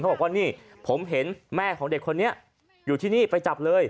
บอกว่านี่ผมเห็นแม่ของเด็กคนนี้อยู่ที่นี่ไปจับเลย